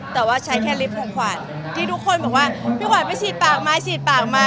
แต่ว่าใช้แค่ลิฟต์ของขวัญที่ทุกคนบอกว่าพี่ขวัญไปฉีดปากมาฉีดปากมา